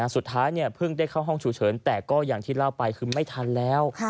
สุดท้ายเพิ่งได้เข้าห้องฉุกเฉินแต่ก็อย่างที่เล่าไปคือไม่ทันแล้ว